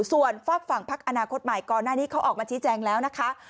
ส่วนฝากฝั่งพักอนาคตใหม่ก่อนหน้านี้เขาออกมาชี้แจงแล้วนะคะ